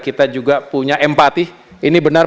kita juga punya empati ini benar